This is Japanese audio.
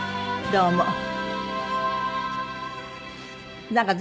どうも。